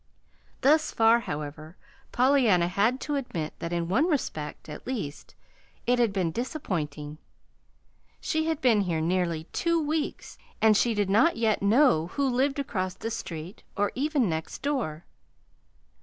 Thus far, however, Pollyanna had to admit that in one respect, at least, it had been disappointing: she had been here nearly two weeks and she did not yet know the people who lived across the street, or even next door.